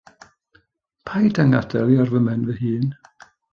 Paid â ngadael i ar fy mhen fy hun.